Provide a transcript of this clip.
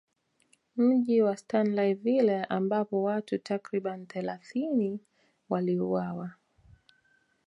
Mji Wa Stanleyville ambapo watu takribani thelathini waliuawa